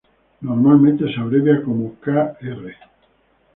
Normalmente se abrevia como kr.